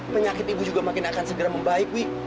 penyakit ibu juga makin akan segera membaik wi